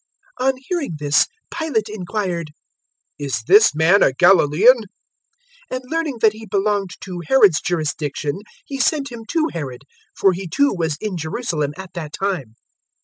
023:006 On hearing this, Pilate inquired, "Is this man a Galilaean?" 023:007 And learning that He belonged to Herod's jurisdiction he sent Him to Herod, for he too was in Jerusalem at that time.